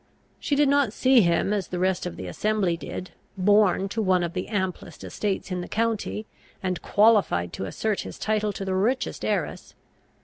She did not see him, as the rest of the assembly did, born to one of the amplest estates in the county, and qualified to assert his title to the richest heiress.